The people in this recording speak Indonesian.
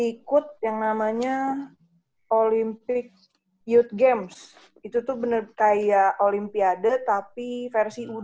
ikut yang namanya olympic youth games itu tuh bener kayak olimpiade tapi versi